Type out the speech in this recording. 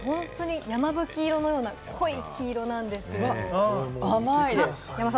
山吹色のような濃い黄色なんです。